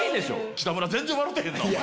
北村全然笑うてへんなお前。